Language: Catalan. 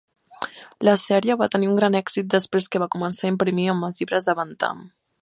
La sèrie va tenir un gran èxit després que va començar a imprimir amb els llibres de Bantam.